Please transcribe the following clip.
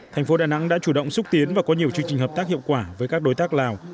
thành phố đà nẵng đã chủ động xúc tiến và có nhiều chương trình hợp tác hiệu quả với các đối tác lào